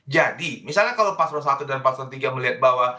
jadi misalnya kalau pasl satu dan pasl tiga melihat bahwa